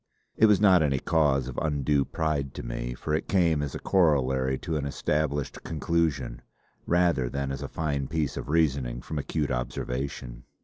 It was not any cause of undue pride to me, for it came as a corollary to an established conclusion, rather than as a fine piece of reasoning from acute observation.